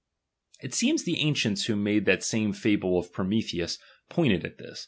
'\ It seems the ancients ^H irho made that same fable of Prometheus, pointed at tliis.